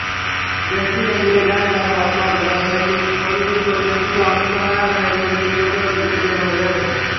দেশটির কেন্দ্রীয় ব্যাংক জানায়, বর্তমান ভূরাজনৈতিক পরিস্থিতির পরিপ্রেক্ষিতে আন্তঃসীমান্ত লেনদেনে ক্রিপ্টো লেনদেন অপরিহার্য।